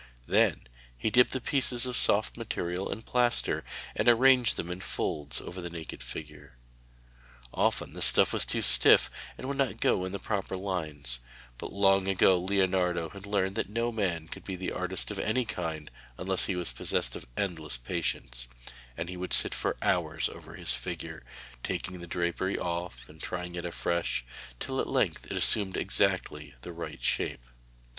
Then he dipped pieces of soft material in plaster, and arranged them in folds over the naked figure. Often the stuff was too stiff and would not go in the proper lines, but long ago Leonardo had learned that no man could be an artist of any kind unless he was possessed of endless patience, and he would sit for hours over his figure, taking the drapery off and trying it afresh, till at length it assumed exactly the right shape.